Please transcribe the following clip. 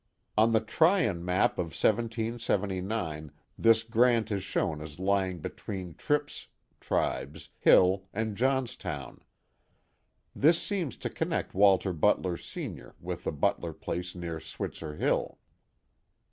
On the Tryon map of 1779 this grant is shown as lying between Tiips (^Tribes) Hill and Johnstown. This seems to connect Walter Butler, senior, with the Butler place near Switzcr Hill.